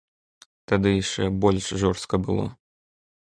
Тады яшчэ больш жорстка было.